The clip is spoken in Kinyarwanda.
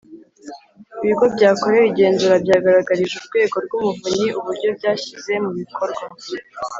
Ibigo byakorewe igenzura byagaragarije Urwego rw Umuvunyi uburyo byashyize mu bikorwa